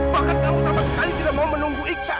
bahkan kamu sama sekali tidak mau menunggu iksan